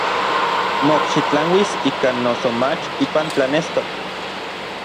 Mokxitlanuis ikan noso mach ipan tlanestok.